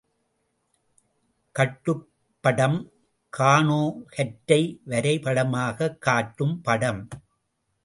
கட்டுப்படம், கானோ கற்றை வரைபடமாகக் காட்டும் படம்.